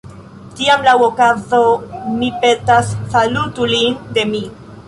Tiam, laŭ okazo, mi petas, salutu lin de mi.